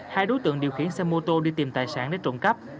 hai đối tượng điều khiển xe mô tô đi tìm tài sản để trộm cắp